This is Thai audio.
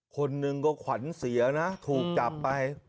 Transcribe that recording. คนหนึ่งก็ขวัญเสียนะถูกจับไป